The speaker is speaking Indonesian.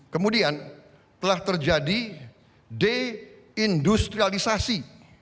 kemudian telah terjadi deindustrialisasi